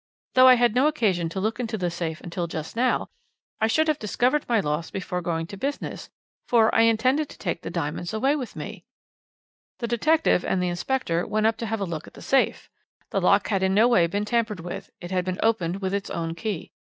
Though I had no occasion to look into the safe until just now, I should have discovered my loss before going to business, for I intended to take the diamonds away with me ' "The detective and the inspector went up to have a look at the safe. The lock had in no way been tampered with it had been opened with its own key.